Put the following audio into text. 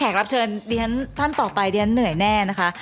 แขกรับเชิญดีทั้งต่อไปดีทั้งหน่วยแน่นะคะ